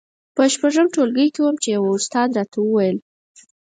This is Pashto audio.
په شپږم ټولګي کې وم چې يوه استاد راته وويل.